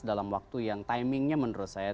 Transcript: dalam waktu yang timingnya menurut saya